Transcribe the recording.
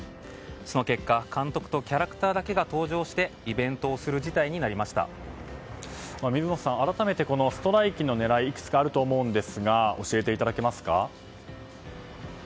その結果、監督とキャラクターだけが登場して水本さん、改めてストライキの狙いがいくつかあると思いますが教えていただけますか。